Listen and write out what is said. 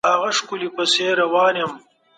سياستپوهنه تلپاتې بنسټيزه هسته نه لري.